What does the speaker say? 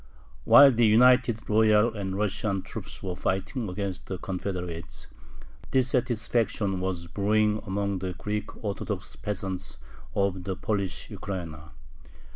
While the united royal and Russian troops were fighting against the Confederates, dissatisfaction was brewing among the Greek Orthodox peasants of the Polish Ukraina.